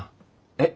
えっ？